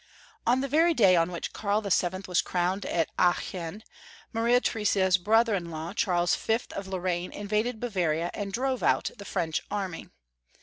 On the very day on which Karl VII. was crowned at Aachen, Maria Theresa's brother in law, Charles V. of Lorraine, invaded Bavaria, and drove out the French army.